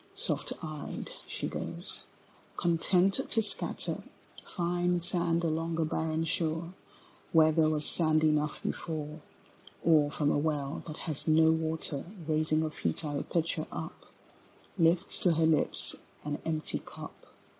Soft eyed she goes, content to scatter Fine sand along a barren shore Where there was sand enough before: Or from a well that has no water Raising a futile pitcher up Lifts to her lips an empty cup.